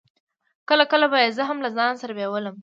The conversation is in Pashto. کله کله به يې زه هم له ځان سره بېولم.